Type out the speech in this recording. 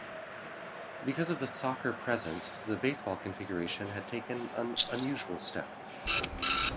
Because of the soccer presence, the Baseball configuration had taken an unusual step.